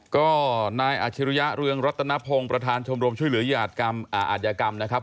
ก็นายอาชิริยะเรืองรัตนพงศ์ประธานชมรมช่วยเหลืออาจยากรรมนะครับ